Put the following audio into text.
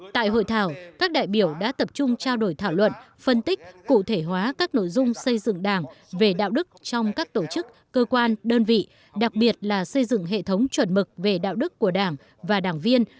tại hội thảo các đại biểu đã tập trung trao đổi thảo luận phân tích cụ thể hóa các nội dung xây dựng đảng về đạo đức trong các tổ chức cơ quan đơn vị đặc biệt là xây dựng hệ thống chuẩn mực về đạo đức của đảng và đảng viên